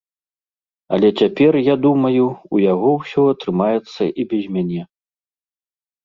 Але цяпер, я думаю, у яго ўсё атрымаецца і без мяне.